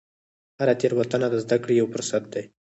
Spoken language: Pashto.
هره تېروتنه د زده کړې یو فرصت دی.